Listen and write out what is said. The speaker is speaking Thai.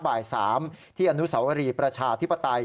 บ่าย๓ที่อนุสาวรีประชาธิปไตย